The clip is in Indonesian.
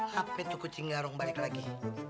hp tuh kucingnya rung balik lagi